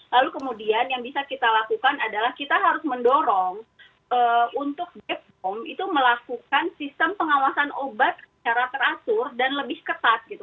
lalu kemudian yang bisa kita lakukan adalah kita harus mendorong untuk bepom itu melakukan sistem pengawasan obat secara teratur dan lebih ketat gitu